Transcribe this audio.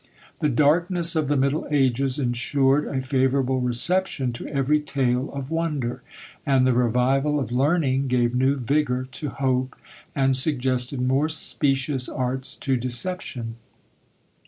The darkness of the middle ages ensured a favourable reception to every tale of wonder; and the revival of learning gave new vigour to hope, and suggested more specious arts to deception.